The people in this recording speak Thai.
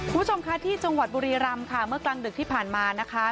คุณผู้ชมค่ะที่จังหวัดบุรีรำค่ะเมื่อกลางดึกที่ผ่านมานะคะ